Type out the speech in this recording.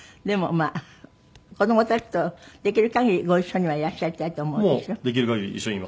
でもまあ子どもたちとできる限りご一緒にはいらっしゃりたいと思うでしょ？